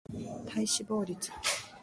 体脂肪率